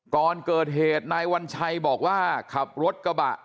ก่อนเกิดเหตุนายวัญชัยบอกว่าขับรถกระบะ